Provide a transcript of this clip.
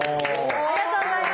ありがとうございます。